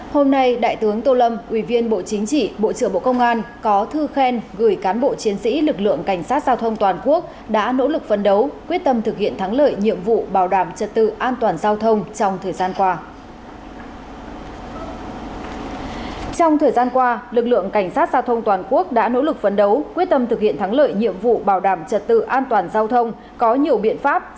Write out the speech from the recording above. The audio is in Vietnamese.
hôm nay đại tướng tô lâm quy viên bộ chính trị bộ trưởng bộ công an có thư khen gửi cán bộ chiến sĩ lực lượng cảnh sát giao thông toàn quốc đã nỗ lực phấn đấu quyết tâm thực hiện thắng lợi nhiệm vụ bảo đảm trật tự an toàn giao thông trong thời gian qua